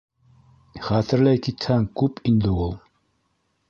Хәтерләй китһәң, күп инде ул...